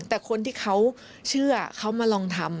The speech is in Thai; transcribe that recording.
แต่คนที่เขาเชื่อเขามาลองทำ